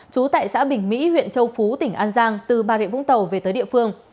trú tại xã bình mỹ huyện châu phú tỉnh an giang từ bà rịa vũng tàu về tới địa phương